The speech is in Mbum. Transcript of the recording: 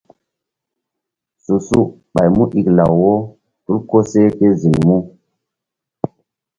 Su-su ɓay mu iklaw wo tul koseh ké ziŋ mu.